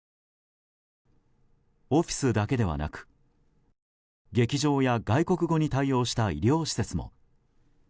オフィスだけではなく劇場や外国語に対応した医療施設も。